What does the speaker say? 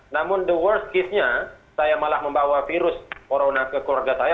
namun the worst case nya saya malah membawa virus corona ke keluarga saya